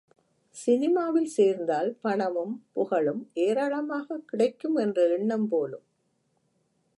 சினிமாவில் சேர்ந்தால் பணமும் புகழும் ஏராளமாகக் கிடைக்கும் என்ற எண்ணம் போலும்.